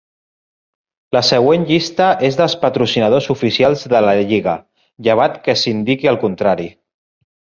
La següent llista és dels patrocinadors oficials de la Lliga, llevat que es indiqui el contrari.